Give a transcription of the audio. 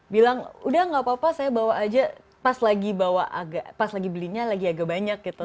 bilang udah gak apa apa saya bawa aja pas lagi belinya lagi agak banyak gitu